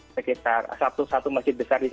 sekitar satu satu masjid besar